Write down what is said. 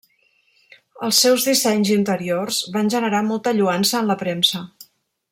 Els seus dissenys interiors van generar molta lloança en la premsa.